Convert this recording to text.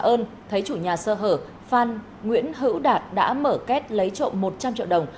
trả ơn thấy chủ nhà sơ hở phan nguyễn hữu đạt đã mở kết lấy trộm một trăm linh triệu đồng